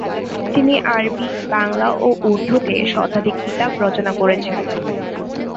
তিনি আরবি, বাংলা ও উর্দুতে শতাধিক কিতাব রচনা করেছেন।